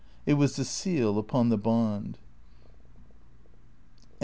It was the seal upon the bond.